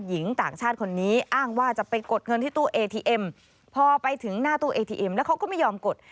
หญิงต่างชาติคนนี้อ้างว่าจะไปกดเงินที่ตู้เอทีเอ็มพอไปถึงหน้าตู้เอทีเอ็มแล้วเขาก็ไม่ยอมกด